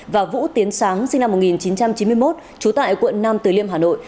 và vũ tiến sáng sinh năm một nghìn chín trăm chín mươi một trú tại quận nam từ liêm hà nội